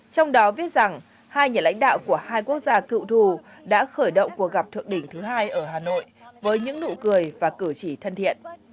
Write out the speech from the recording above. trong đó viết rằng hai nhà lãnh đạo của hai quốc gia cựu thù đã khởi động cuộc gặp thượng đỉnh thứ hai ở hà nội với những nụ cười và cử chỉ thân thiện